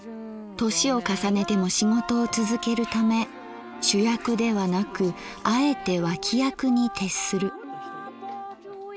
年を重ねても仕事を続けるため主役ではなくあえて脇役に徹する。